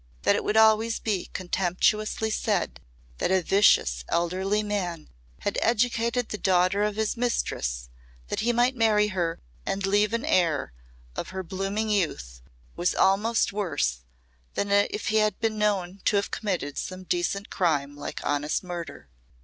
That it would always be contemptuously said that a vicious elderly man had educated the daughter of his mistress, that he might marry her and leave an heir of her blooming youth, was almost worse than if he had been known to have committed some decent crime like honest murder.